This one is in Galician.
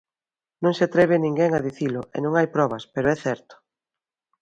Non se atreve ninguén a dicilo e non hai probas, pero é certo.